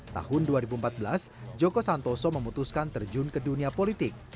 tahun dua ribu empat belas joko santoso memutuskan terjun ke dunia politik